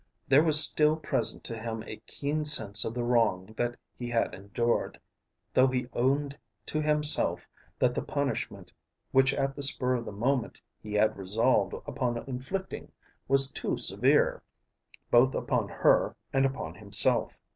There was still present to him a keen sense of the wrong that he had endured; though he owned to himself that the punishment which at the spur of the moment he had resolved upon inflicting was too severe, both upon her and upon himself.